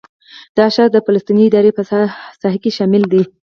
دا ښار د فلسطیني ادارې په ساحه کې شامل دی.